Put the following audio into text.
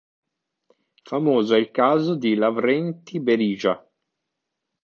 Famoso è il caso di Lavrentij Berija.